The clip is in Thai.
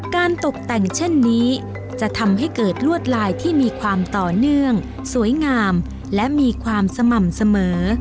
ตกแต่งเช่นนี้จะทำให้เกิดลวดลายที่มีความต่อเนื่องสวยงามและมีความสม่ำเสมอ